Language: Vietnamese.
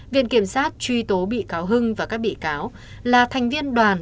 viện kiểm sát truy tố bị cáo hưng và các bị cáo là thành viên đoàn